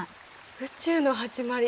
「宇宙のはじまり」